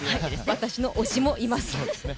私の推しもいます！